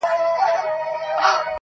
د نادانی عمر چي تېر سي نه راځینه،